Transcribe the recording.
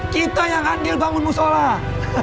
kita yang andil bangun musolah